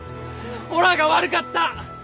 おらが悪がった。